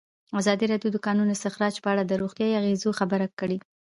ازادي راډیو د د کانونو استخراج په اړه د روغتیایي اغېزو خبره کړې.